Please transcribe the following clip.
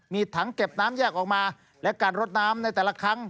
มีถังเก็บน้ำแยกออกมาและการรดน้ำในแต่ละครั้ง